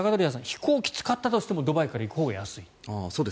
飛行機を使ったとしてもドバイから行くほうが安い？